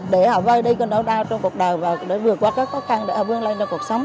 để họ vơi đi nỗi đau trong cuộc đời và vượt qua các khó khăn